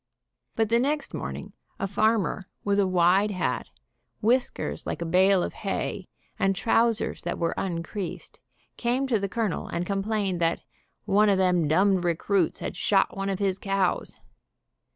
But the next morning a farmer with a wide hat, whiskers like a bale of hay, and trousers that were uncreased, came to the colonel and complained that "one of them dumbed recruits had shot one of his cows."